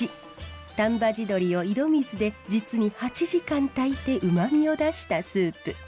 丹波地鶏を井戸水で実に８時間炊いてうまみを出したスープ。